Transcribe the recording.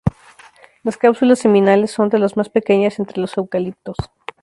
Las cápsulas seminales son de las más pequeñas entre los eucaliptos.